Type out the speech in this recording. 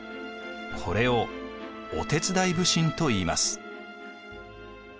これを御手伝普請といいます。